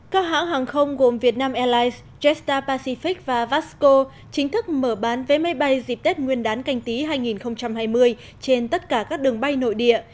các hãng hàng không gồm vietnam airlines jetstar pacific và vasco chính thức mở bán vé máy bay dịp tết nguyên đán canh tí hai nghìn hai mươi trên tất cả các đường bay nội địa